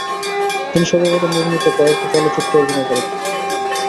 তিনি সর্বপ্রথম নির্মিত কয়েকটি চলচ্চিত্রে অভিনয় করেন।